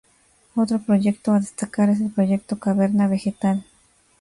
Otro proyecto a destacar es el proyecto Caverna Vegetal.